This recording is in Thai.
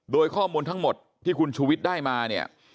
โดยข้อมูลทั้งหมดที่คุณชูวิทย์ได้มาเนี่ย